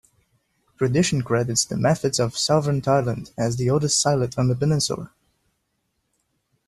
Tradition credits the methods of southern Thailand as the oldest silat on the peninsula.